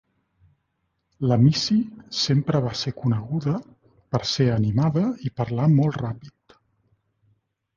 La Missy sempre va ser coneguda per ser animada i parlar molt ràpid.